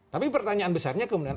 tapi pertanyaan besarnya kemudian